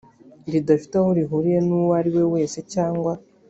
ridafite aho rihuriye n uwo ari we wese cyangwa